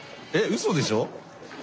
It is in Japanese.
うそでしょ？